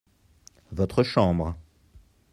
votre chambre.